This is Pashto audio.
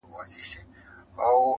دسرونو په کاسوکي -